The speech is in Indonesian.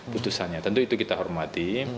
putusannya tentu itu kita hormati